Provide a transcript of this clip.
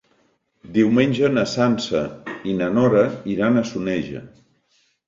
Diumenge na Sança i na Nora iran a Soneja.